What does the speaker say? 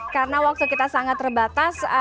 karena waktu kita sangat terbatas